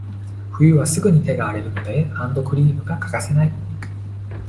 冬はすぐに手が荒れるので、ハンドクリームが欠かせない。